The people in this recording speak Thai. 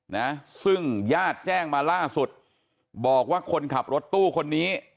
นะซึ่งญาติแจ้งมาล่าสุดบอกว่าคนขับรถตู้คนนี้